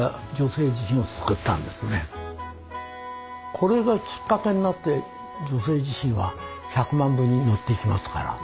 これがきっかけになって「女性自身」は１００万部に乗っていきますから。